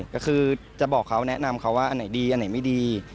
ก็คือจะบอกเขาแนะนำเขาว่าอันไหนดีอันไหนไม่ดี